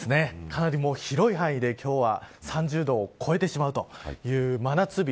かなり広い範囲で今日は３０度を超えてしまうという真夏日。